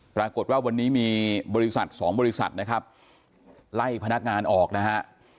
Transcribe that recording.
ปรากฏว่าวันนี้มีบริษัทสองบริษัทนะครับไล่พนักงานออกนะฮะ